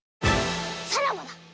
さらばだ！